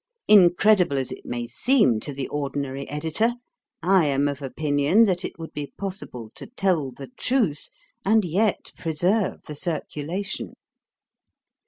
Incredible as it may seem to the ordinary editor, I am of opinion that it would be possible to tell the truth, and yet preserve the circulation.